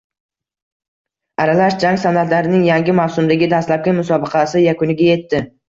Aralash jang san’atlarining yangi mavsumdagi dastlabki musobaqasi yakuniga yetdi